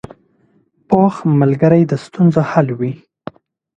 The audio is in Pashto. پوخ ملګری د ستونزو حل وي